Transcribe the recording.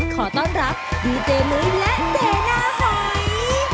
ขอต้อนรับดีเจมุ้ยและเจน่าหอย